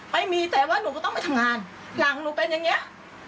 ไม่มีแต่ว่าหนูก็ต้องไปทำงานหลังหนูเป็นอย่างนี้